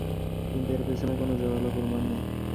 কিন্তু এর পেছনে কোন জোরালো প্রমাণ নেই।